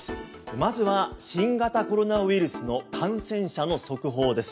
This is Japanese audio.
まずは、新型コロナウイルスの感染者の速報です。